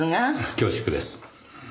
恐縮です。